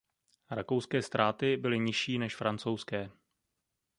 Rakouské ztráty byly nižší než francouzské.